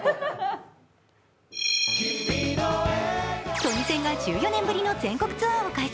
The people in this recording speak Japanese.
トニセンが１４年ぶりの全国ツアーを開催。